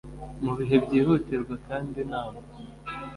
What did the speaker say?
Mu bihe byihutirwa kandi inama